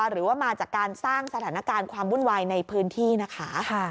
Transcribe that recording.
หรือว่ามาจากการสร้างสถานการณ์ความวุ่นวายในพื้นที่นะคะ